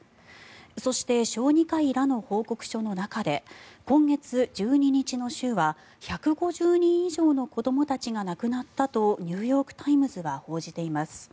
そして小児科医らの報告書の中で今月１２日の週は１５０人以上の子どもたちが亡くなったとニューヨーク・タイムズは報じています。